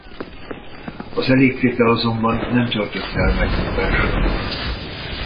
Az elégtétel azonban nem töltötte el megnyugvással.